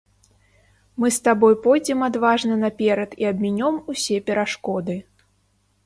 Мы з табой пойдзем адважна наперад і абмінём усе перашкоды.